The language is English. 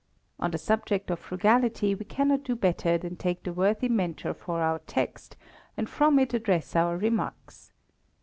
On the subject of frugality we cannot do better than take the worthy Mentor for our text, and from it address our remarks.